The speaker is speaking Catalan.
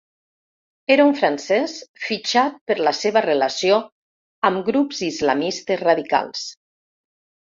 Era un francès fitxat per la seva relació amb grups islamistes radicals.